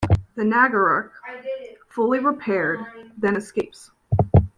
The "Naggarok", fully repaired, then escapes.